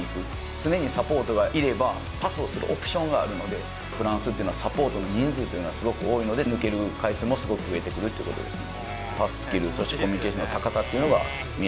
常にサポートがいれば、パスをするオプションがあるので、フランスっていうのはサポートの人数っていうのがすごく多いので、抜ける回数もすごく増えてくるということですね。